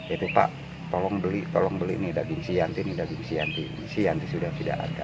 itu pak tolong beli tolong beli ini daging si yanti ini daging si yanti si yanti sudah tidak ada